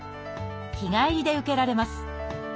日帰りで受けられます。